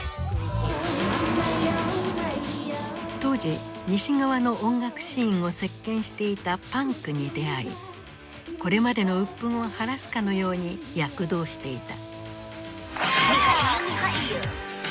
当時西側の音楽シーンを席巻していたパンクに出会いこれまでの鬱憤を晴らすかのように躍動していた。